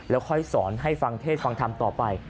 แล้วค่อยสอนให้ฟังเทศฟังธรรมต่อไป